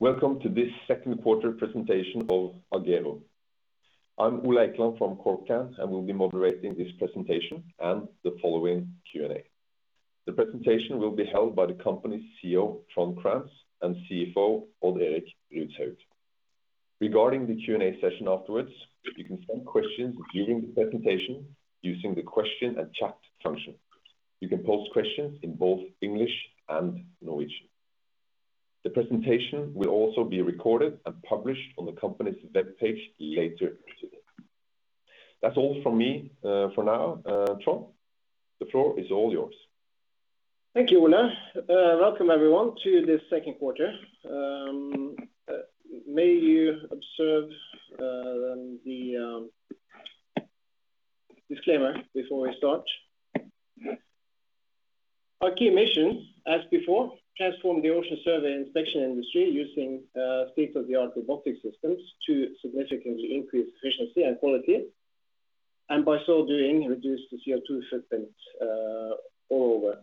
Welcome to this second quarter presentation of Argeo. I'm Ole Eikeland from CorpCann, and will be moderating this presentation and the following Q&A. The presentation will be held by the company's CEO, Trond Crantz, and CFO, Odd Erik Rudshaug. Regarding the Q&A session afterwards, you can send questions during the presentation using the question and chat function. You can pose questions in both English and Norwegian. The presentation will also be recorded and published on the company's webpage later today. That's all from me for now. Trond, the floor is all yours. Thank you, Ole. Welcome, everyone, to this second quarter. May you observe the disclaimer before we start. Our key mission, as before, transform the ocean survey inspection industry using state-of-the-art robotic systems to significantly increase efficiency and quality, and by so doing, reduce the CO2 footprint all over.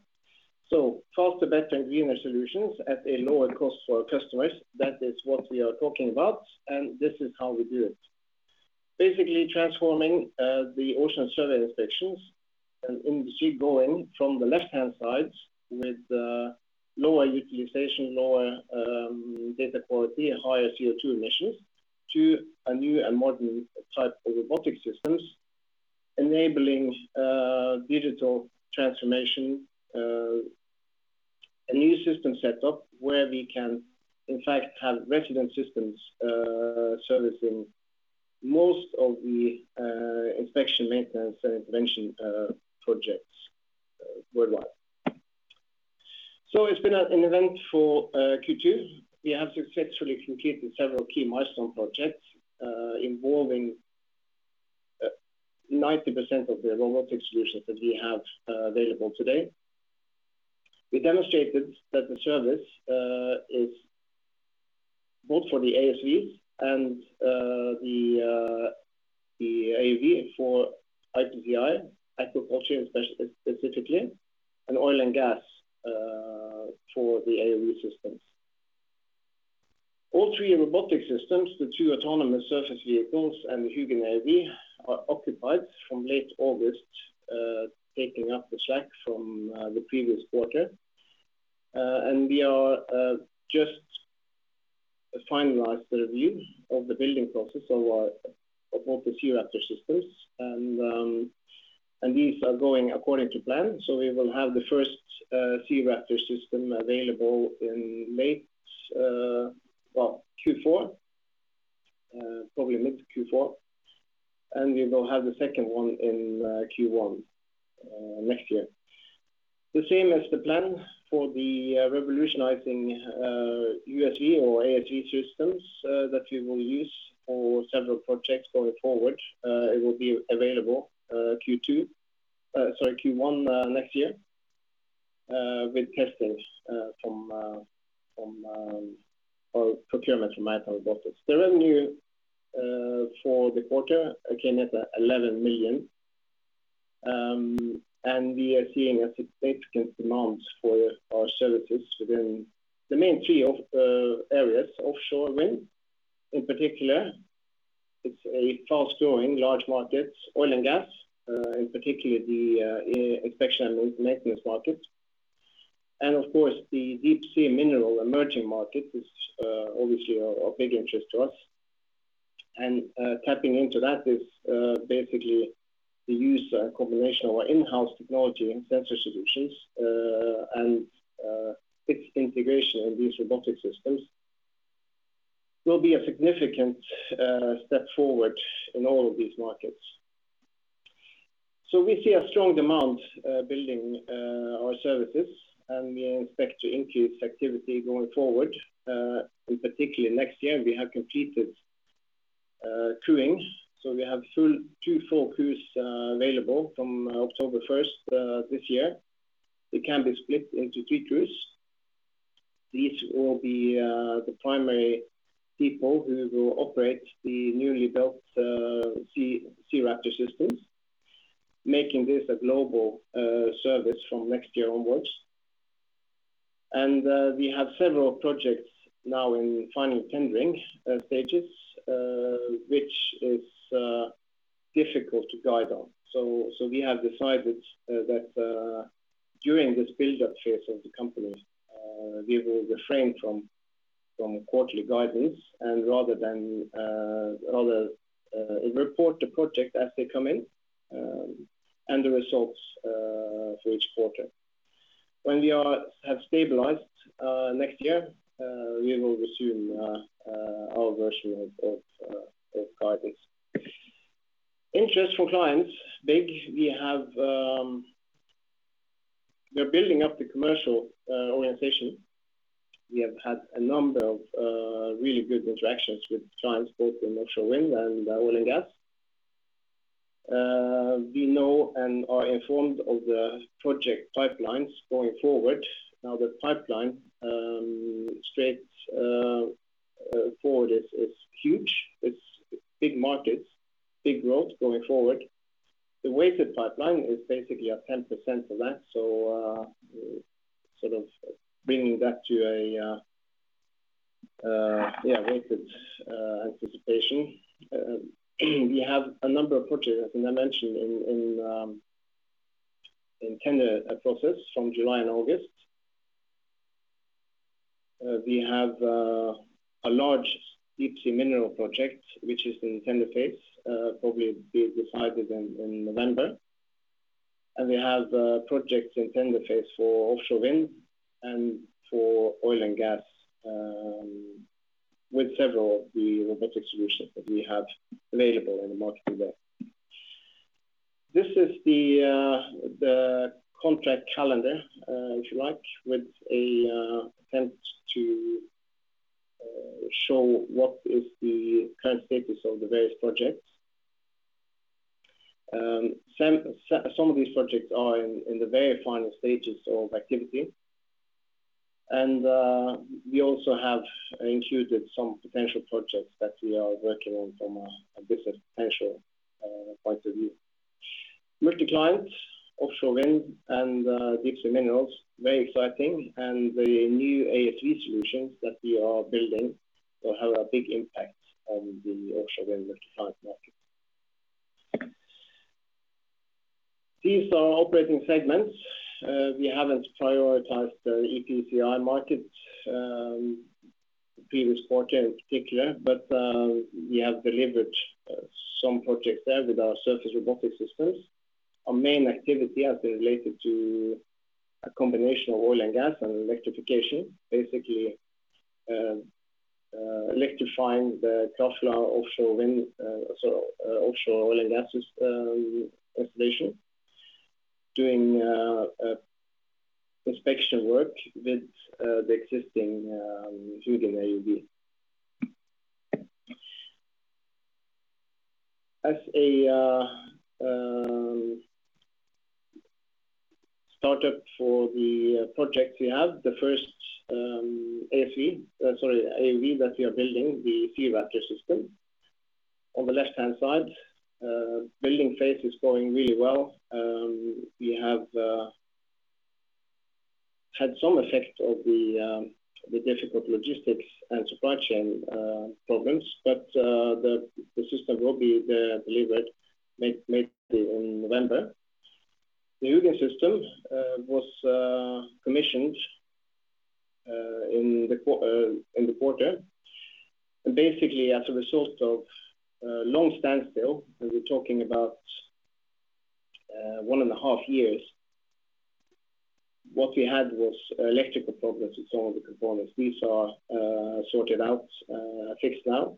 Faster, better, and greener solutions at a lower cost for our customers. That is what we are talking about, and this is how we do it. Basically transforming the ocean survey inspections, an industry going from the left-hand side with lower utilization, lower data quality, and higher CO2 emissions, to a new and modern type of robotic systems enabling digital transformation. A new system set up where we can, in fact, have resident systems servicing most of the inspection, maintenance, and intervention projects worldwide. It's been an event for Q2. We have successfully completed several key milestone projects involving 90% of the robotic solutions that we have available today. We demonstrated that the service is both for the ASVs and the AUV for EPCI, aquaculture specifically, and oil and gas for the AUV systems. All three robotic systems, the two autonomous surface vehicles and the Hugin AUV are occupied from late August, taking up the slack from the previous quarter. We are just finalizing the reviews of the building process of both the SeaRaptor systems. These are going according to plan, so we will have the first SeaRaptor system available in late Q4, probably mid Q4, and we will have the second one in Q1 next year. The same as the plan for the revolutionizing USV or AUV systems that we will use for several projects going forward. The revenue for the quarter came at 11 million. We are seeing a significant demand for our services within the main three areas. Offshore wind, in particular. It's a fast-growing large market. Oil and gas, in particular the inspection and maintenance market. Of course, the deep sea mineral emerging market is obviously of big interest to us. Tapping into that is basically the use combination of our in-house technology and sensor solutions, and its integration in these robotic systems will be a significant step forward in all of these markets. We see a strong demand building our services, and we expect to increase activity going forward. In particular next year, we have completed crewing, so we have two full crews available from October 1st this year. They can be split into three crews. These will be the primary people who will operate the newly built SeaRaptor systems, making this a global service from next year onwards. We have several projects now in final tendering stages, which is difficult to guide on. We have decided that during this build-up phase of the company, we will refrain from quarterly guidance and rather report the project as they come in and the results for each quarter. When we have stabilized next year, we will resume our version of guidance. Interest from clients, big. We're building up the commercial organization. We have had a number of really good interactions with clients both in offshore wind and oil and gas. We know and are informed of the project pipelines going forward. The pipeline straightforward is huge. It's big markets, big growth going forward. The weighted pipeline is basically a 10% of that. Sort of bringing that to a weighted anticipation. We have a number of projects, I think I mentioned, in tender process from July and August. We have a large deep sea mineral project, which is in tender phase, probably be decided in November. We have projects in tender phase for offshore wind and for oil and gas, with several of the robotic solutions that we have available in the market today. This is the contract calendar, if you like, with an attempt to show what is the current status of the various projects. Some of these projects are in the very final stages of activity. We also have included some potential projects that we are working on from a business potential point of view. Multi-client, offshore wind, and deep sea minerals, very exciting, and the new AUV solutions that we are building will have a big impact on the offshore wind multi-client market. These are operating segments. We haven't prioritized the EPCI market, previous quarter in particular. We have delivered some projects there with our surface robotic systems. Our main activity has been related to a combination of oil and gas and electrification, basically electrifying the Krafla offshore oil and gas installation, doing inspection work with the existing Hugin AUV. As a startup for the projects we have, the first AUV that we are building, the SeaRaptor system. On the left-hand side, building phase is going really well. We have had some effect of the difficult logistics and supply chain problems, the system will be delivered mid in November. The Hugin system was commissioned in the quarter. Basically, as a result of a long standstill, and we're talking about one and a half years, what we had was electrical problems with some of the components. These are sorted out, fixed now.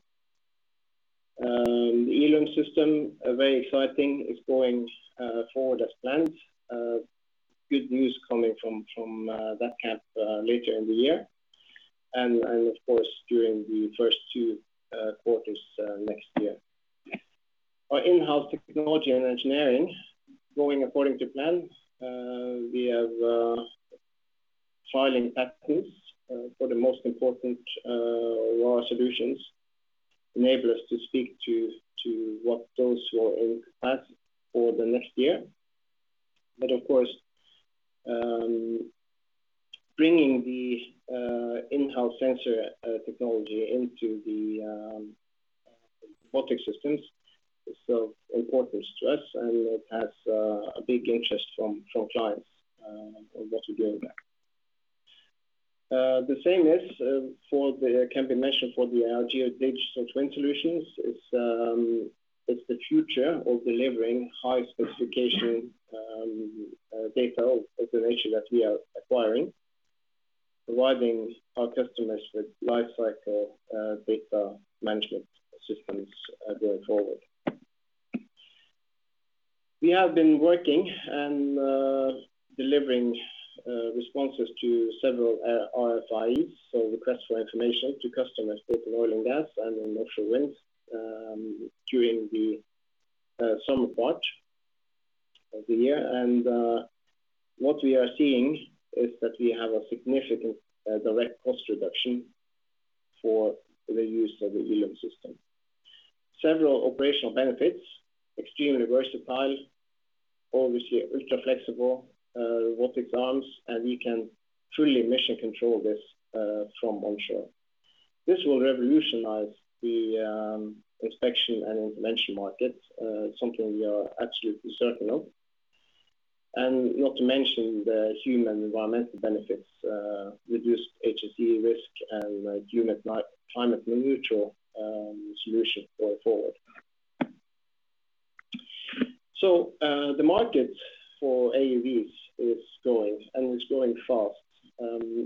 The Eelume system, very exciting, is going forward as planned. Good news coming from that camp later in the year. Of course, during the first two quarters next year. Our in-house technology and engineering going according to plan. We are filing patents for the most important ROV solutions, enable us to speak to what those who are in the path for the next year. Of course, bringing the in-house sensor technology into the robotic systems is so important to us, and it has a big interest from clients on what we're doing there. The same can be mentioned for the Argeo digital twin solutions, it's the future of delivering high specification data or information that we are acquiring, providing our customers with life cycle data management systems going forward. We have been working and delivering responses to several RFIs, so request for information to customers both in oil and gas and in offshore wind, during the summer part of the year. What we are seeing is that we have a significant direct cost reduction for the use of the Eelume system. Several operational benefits, extremely versatile, obviously ultra-flexible robotic arms, and we can truly mission control this from onshore. This will revolutionize the inspection and intervention market, something we are absolutely certain of. Not to mention the human environmental benefits, reduced HSE risk and climate neutral solution going forward. The market for AUVs is growing, and it's growing fast.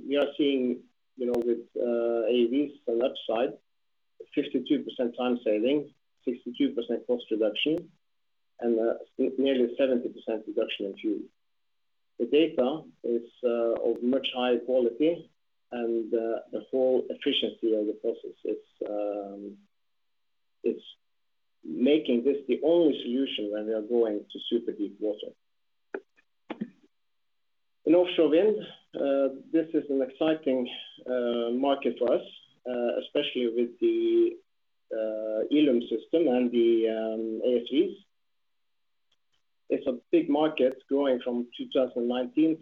We are seeing with AUVs on that side, 52% time saving, 62% cost reduction, and nearly 70% reduction in fuel. The data is of much higher quality and the whole efficiency of the process, it's making this the only solution when we are going to super deep water. In offshore wind, this is an exciting market for us, especially with the Eelume system and the AUVs. It's a big market growing from 2019-2030,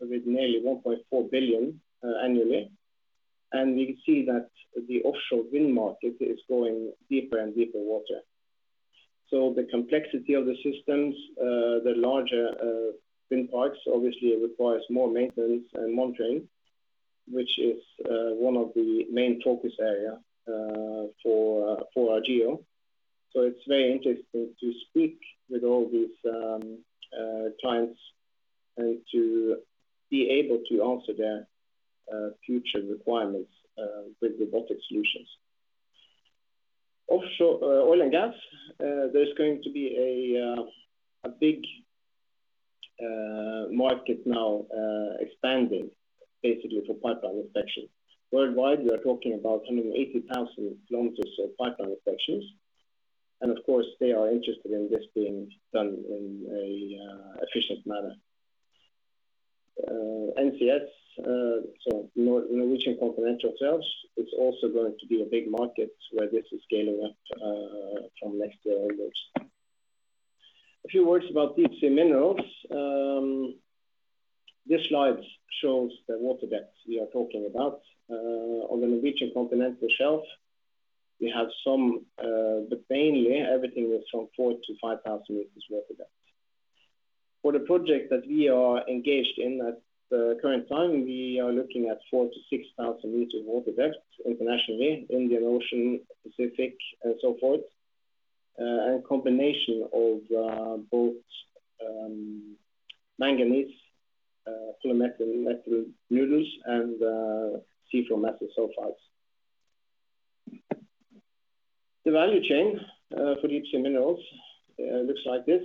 with nearly 1.4 billion annually. We see that the offshore wind market is going deeper and deeper water. The complexity of the systems, the larger wind parks obviously requires more maintenance and monitoring, which is one of the main focus areas for Argeo. It's very interesting to speak with all these clients and to be able to answer their future requirements with robotic solutions. Offshore oil and gas, there's going to be a big market now expanding basically for pipeline inspection. Worldwide, we are talking about 180,000 km of pipeline inspections. Of course they are interested in this being done in an efficient manner. NCS, so Norwegian Continental Shelf, it's also going to be a big market where this is scaling up from next year onwards. A few words about deep sea minerals. This slide shows the water depth we are talking about. On the Norwegian Continental Shelf, we have some. Mainly everything is from 4,000-5,000 meters water depth. For the project that we are engaged in at the current time, we are looking at 4,000-6,000 meter water depth internationally, Indian Ocean, Pacific, and so forth. A combination of both manganese polymetallic nodules and seafloor massive sulfides. The value chain for deep sea minerals looks like this.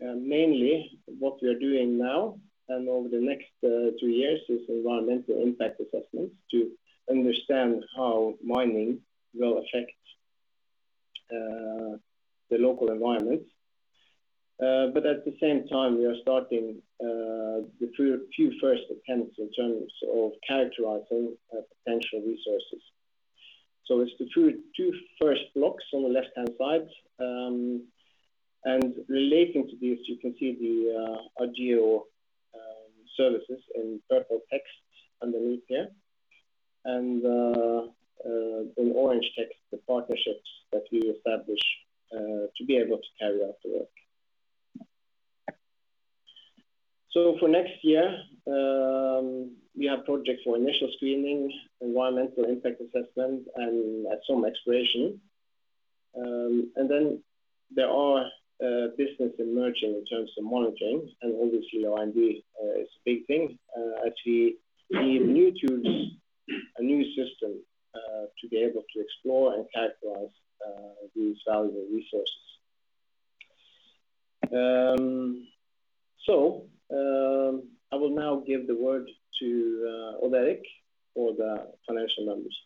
Mainly what we are doing now and over the next two years is environmental impact assessments to understand how mining will affect the local environment. At the same time, we are starting the few first attempts in terms of characterizing potential resources. It's the two first blocks on the left-hand side. Relating to this, you can see the Argeo services in purple text underneath here, and in orange text, the partnerships that we establish to be able to carry out the work. For next year, we have projects for initial screening, environmental impact assessment, and some exploration. Then there are business emerging in terms of monitoring and obviously R&D is a big thing. Actually, we need new tools, a new system to be able to explore and characterize these valuable resources. I will now give the word to Odd Erik for the financial numbers.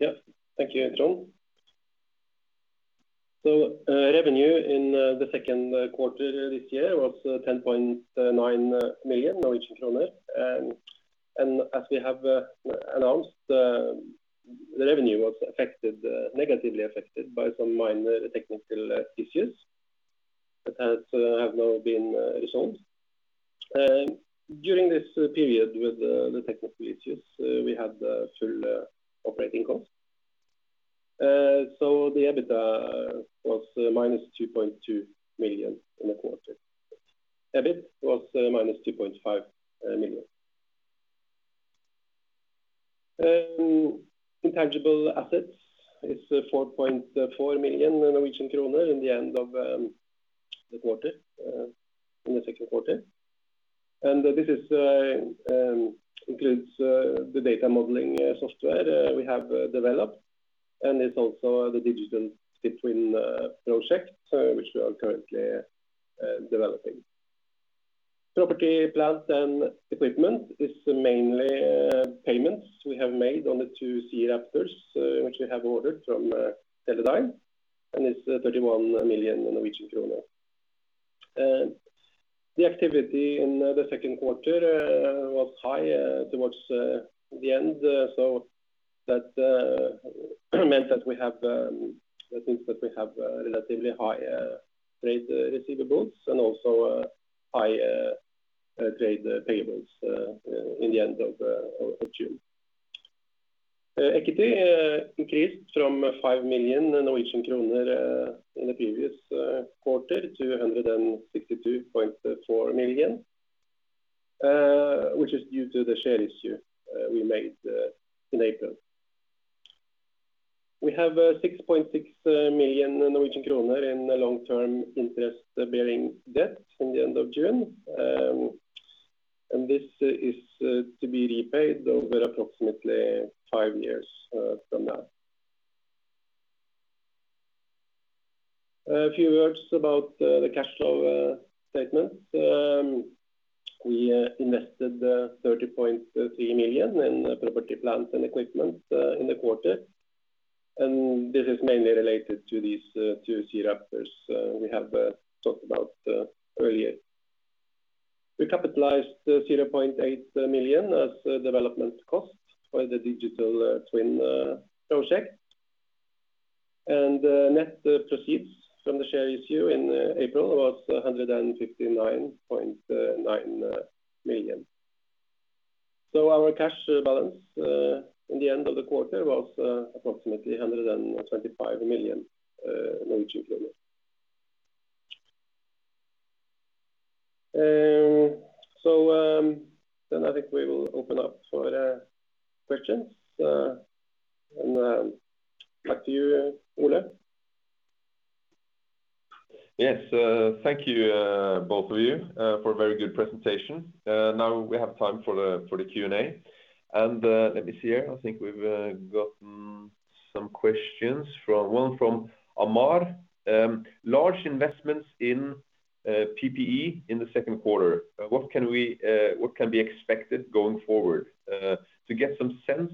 Yeah. Thank you, Trond. Revenue in the second quarter this year was 10.9 million Norwegian kroner, and as we have announced, the revenue was negatively affected by some minor technical issues that have now been resolved. During this period with the technical issues, we had full operating costs. The EBITDA was -2.2 million in the quarter. EBIT was -2.5 million. Intangible assets is 4.4 million Norwegian kroner in the end of the second quarter. This includes the data modeling software we have developed. It's also the digital twin project which we are currently developing. Property, plant and equipment is mainly payments we have made on the two SeaRaptors which we have ordered from Teledyne, and it's 31 million Norwegian kroner. The activity in the second quarter was high towards the end. That meant that we have relatively high trade receivables and also high trade payables in the end of June. Equity increased from 5 million Norwegian kroner in the previous quarter to 162.4 million, which is due to the share issue we made in April. We have 6.6 million Norwegian kroner in long-term interest-bearing debt in the end of June. This is to be repaid over approximately five years from now. A few words about the cash flow statement. We invested 30.3 million in property, plant and equipment in the quarter. This is mainly related to these two SeaRaptors we have talked about earlier. We capitalized 0.8 million as development cost for the digital twin project. Net proceeds from the share issue in April was 159.9 million. Our cash balance in the end of the quarter was approximately 125 million. I think we will open up for questions. Back to you, Ole. Yes. Thank you, both of you, for a very good presentation. Now we have time for the Q&A. Let me see here. I think we've gotten some questions. One from Amar. Large investments in PPE in the second quarter. What can be expected going forward to get some sense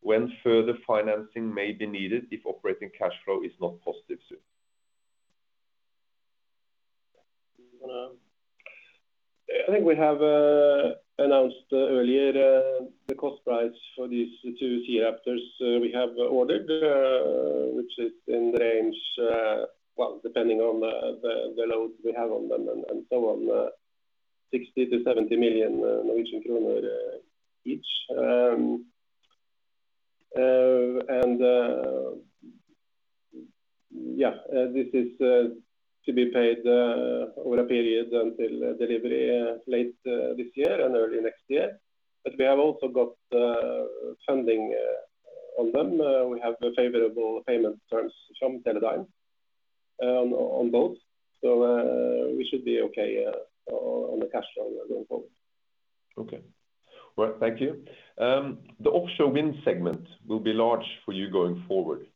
when further financing may be needed if operating cash flow is not positive soon? I think we have announced earlier the cost price for these two SeaRaptors we have ordered, which is in the range, well, depending on the load we have on them and so on, 60 million-70 million Norwegian kroner each. Yeah, this is to be paid over a period until delivery late this year and early next year. We have also got funding on them. We have favorable payment terms from Teledyne on both. We should be okay on the cash flow going forward. Okay. Right. Thank you. The offshore wind segment will be large for you going forward.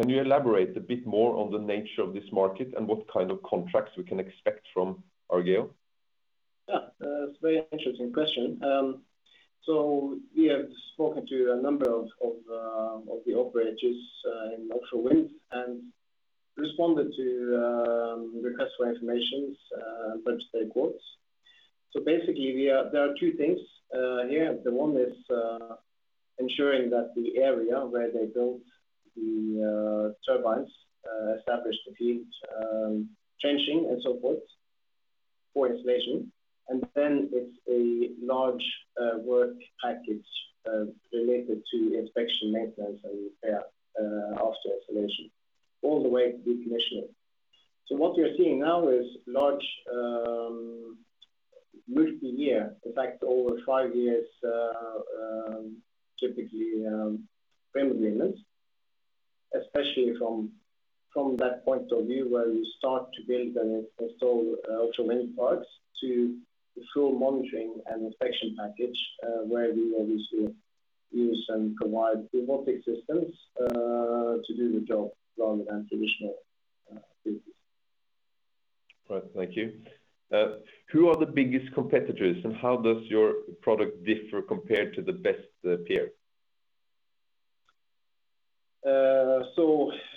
Can you elaborate a bit more on the nature of this market and what kind of contracts we can expect from Argeo? Yeah. That's a very interesting question. We have spoken to a number of the operators in offshore wind and responded to requests for information and budget quotes. Basically there are two things here. The one is ensuring that the area where they build the turbines establish the feed trenching and so forth for installation, and then it's a large work package related to inspection maintenance and repair after installation, all the way to decommissioning. What we are seeing now is large multiple year, in fact over five years typically, frame agreements, especially from that point of view where you start to build and install offshore wind parks to the full monitoring and inspection package where we obviously use and provide robotic systems to do the job rather than traditional Right. Thank you. Who are the biggest competitors and how does your product differ compared to the best peer?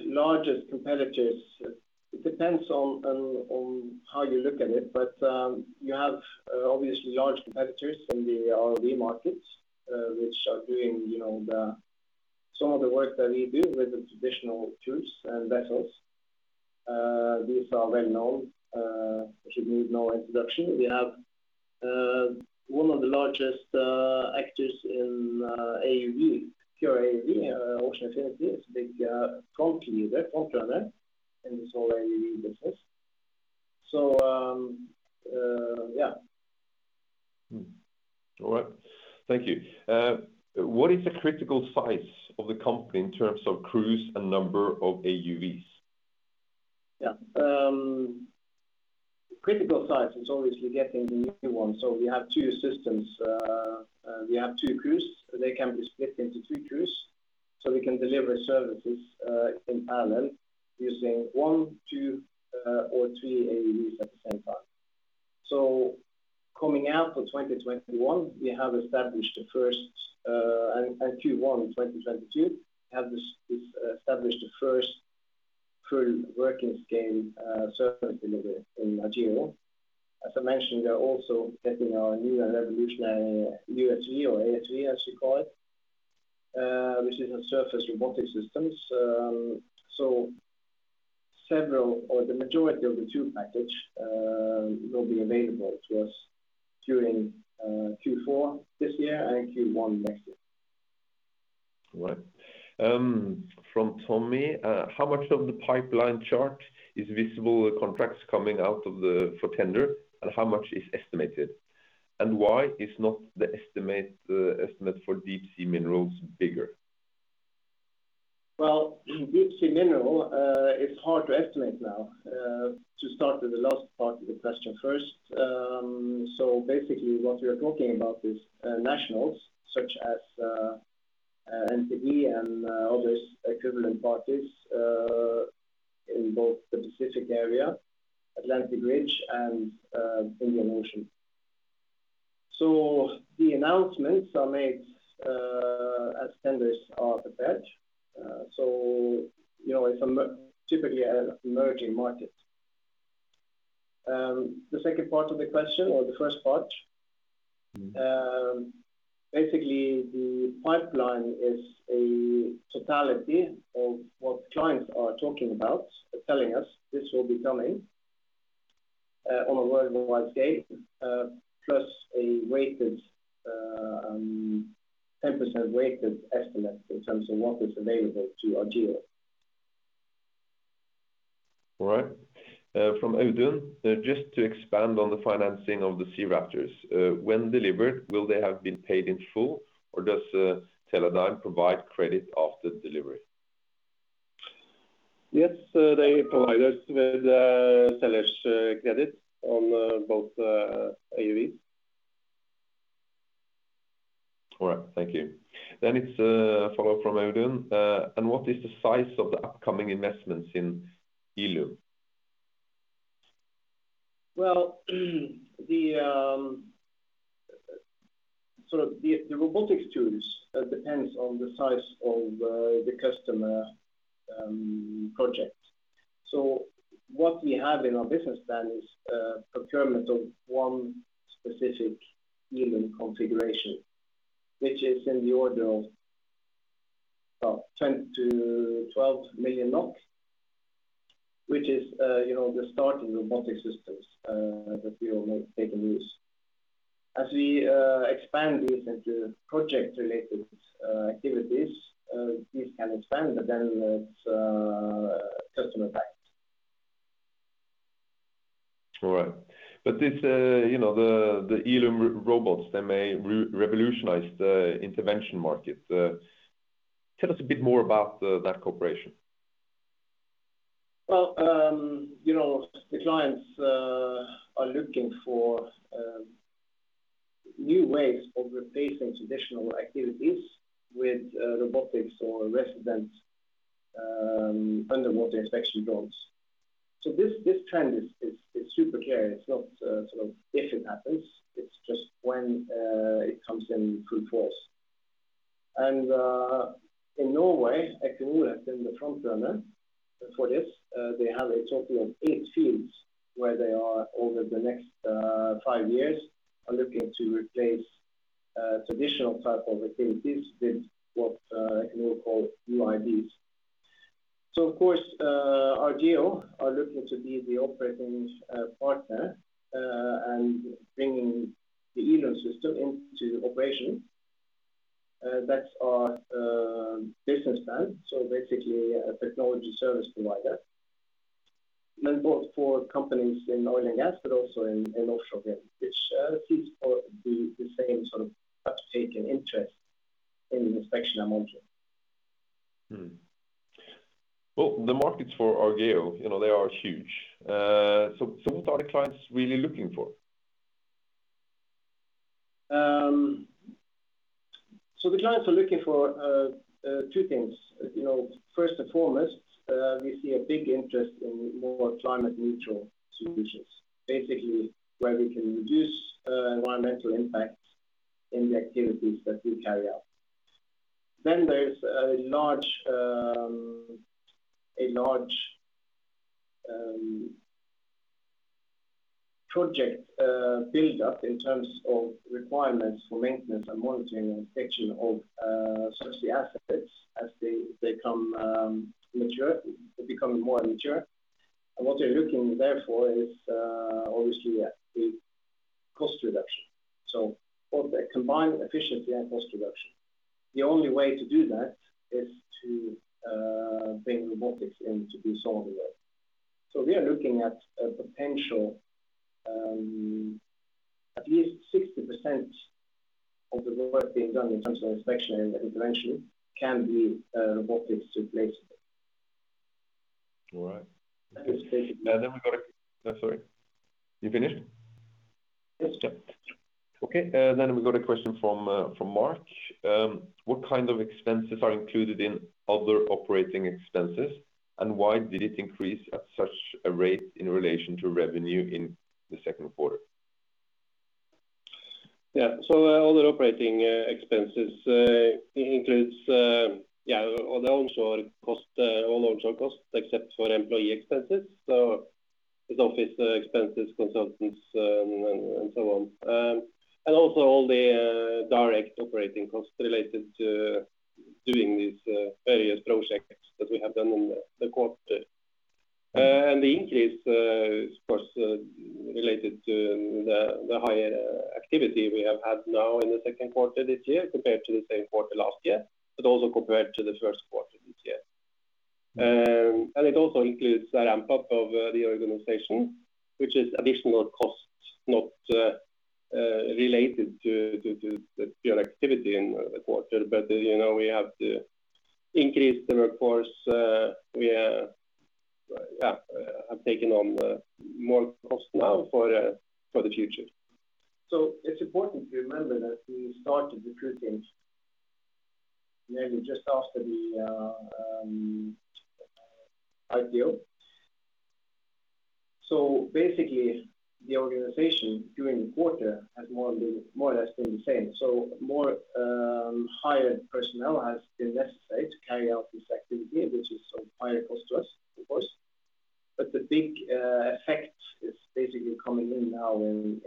Largest competitors, it depends on how you look at it. You have obviously large competitors in the ROV markets which are doing some of the work that we do with the traditional tools and vessels. These are well known, should need no introduction. We have one of the largest actors in AUV, pure AUV, Ocean Infinity, is a big front runner in this whole AUV business. Yeah. All right. Thank you. What is the critical size of the company in terms of crews and number of AUVs? Yeah. Critical size is obviously getting the new one. We have two systems. We have two crews. They can be split into two crews. We can deliver services in parallel using one, two or three AUVs at the same time. Coming out for 2021, Q1 2022, we have established the first full working scale surface delivery in Argeo. As I mentioned, we are also getting our new and revolutionary USV or ASV as you call it, which is a surface robotic systems. Several or the majority of the two package will be available to us during Q4 this year and Q1 next year. Right. From Tommy. How much of the pipeline chart is visible contracts coming out for tender and how much is estimated? Why is not the estimate for deep sea minerals bigger? Well, deep sea mineral, it's hard to estimate now. To start with the last part of the question first. Basically what we are talking about is nationals such as NPD and other equivalent parties. Specific area, Atlantic Ridge and Indian Ocean. The announcements are made as tenders are attached. It's typically an emerging market. The second part of the question or the first part, basically the pipeline is a totality of what clients are talking about, telling us this will be coming on a worldwide scale, plus a 10% weighted estimate in terms of what is available to Argeo. All right. From Audun, just to expand on the financing of the SeaRaptors. When delivered, will they have been paid in full or does Teledyne provide credit after delivery? Yes, they provide us with seller's credit on both AUVs. All right, thank you. It's a follow from Audun. What is the size of the upcoming investments in Eelume? Well, the robotics tools depends on the size of the customer project. What we have in our business plan is procurement of one specific Eelume configuration, which is in the order of NOK 10 million-NOK 12 million, which is the starting robotic systems that we will make use. As we expand this into project-related activities, this can expand, but then it's customer-backed. All right. The Eelume robots, they may revolutionize the intervention market. Tell us a bit more about that cooperation. The clients are looking for new ways of replacing traditional activities with robotics or resident underwater inspection drones. This trend is super clear. It's not if it happens, it's just when it comes in full force. In Norway, Equinor has been the frontrunner for this. They have a total of eight fields where they, over the next five years, are looking to replace traditional type of activities with what Equinor call UID. Of course, Argeo are looking to be the operating partner and bringing the Eelume system into operation. That's our business plan. Basically, a technology service provider. Both for companies in oil and gas, but also in offshore wind, which seems to be the same sort of participating interest in inspection and monitoring. Well, the markets for Argeo, they are huge. What are the clients really looking for? The clients are looking for two things. First and foremost, we see a big interest in more climate neutral solutions, basically where we can reduce environmental impact in the activities that we carry out. There's a large project buildup in terms of requirements for maintenance and monitoring and inspection of such assets as they become more mature. What they're looking therefore is obviously a big cost reduction, both a combined efficiency and cost reduction. The only way to do that is to bring robotics in to do some of the work. We are looking at a potential at least 60% of the work being done in terms of inspection and intervention can be robotics replaced. All right. We got a Sorry. You finished? Yes. Okay. We got a question from Mark. What kind of expenses are included in other operating expenses, and why did it increase at such a rate in relation to revenue in the second quarter? Yeah. Other operating expenses includes all onshore costs except for employee expenses. It's office expenses, consultants, and so on. Also all the direct operating costs related to doing these various projects that we have done in the quarter. The increase, of course, related to the higher activity we have had now in the second quarter this year compared to the same quarter last year, but also compared to the first quarter this year. It also includes a ramp-up of the organization, which is additional costs not related to the pure activity in the quarter. We have to increase the workforce. We have taken on more cost now for the future. It's important to remember that we started the cruise just after the IPO. Basically, the organization during the quarter has more or less been the same. More hired personnel has been necessary to carry out this activity, which is higher cost to us, of course. The big effect is basically coming in now in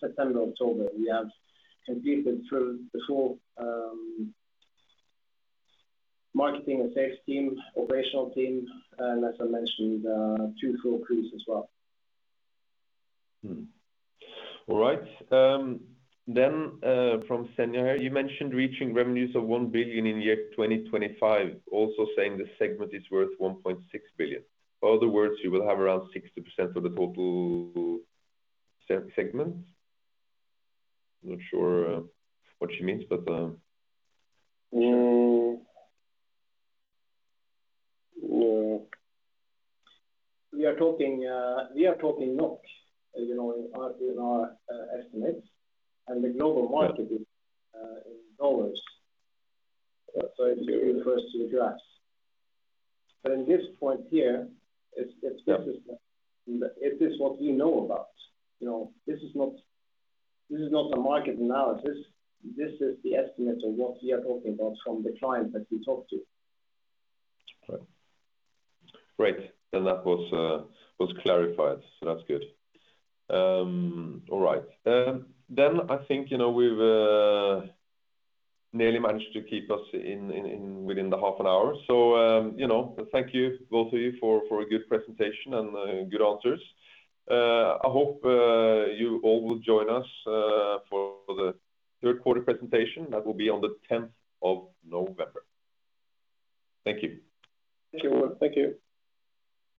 September, October. We have completed the full marketing and sales team, operational team, and as I mentioned, two crews as well. All right. From Senia here, "You mentioned reaching revenues of 1 billion in the year 2025, also saying the segment is worth 1.6 billion. Other words, you will have around 60% of the total segment?" Not sure what she means, but We are talking NOK in our estimates and the global market is in dollars. It refers to the address. In this point here, it's business plan. It is what we know about. This is not a market analysis. This is the estimate of what we are talking about from the clients that we talk to. Right. Great. That was clarified. That's good. All right. I think we've nearly managed to keep us within the half an hour. Thank you, both of you for a good presentation and good answers. I hope you all will join us for the third quarter presentation. That will be on the 10th of November. Thank you. Thank you. Thank you.